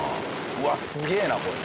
うわすげえなこれ！